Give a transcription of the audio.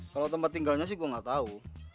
kalau tempat tinggalnya sih gue gak tau